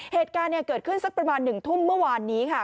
เหตุการณ์เกิดขึ้นสักประมาณ๑ทุ่มเมื่อวานนี้ค่ะ